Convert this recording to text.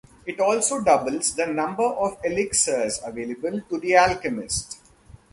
It also doubles the number of elixirs available to the alchemist.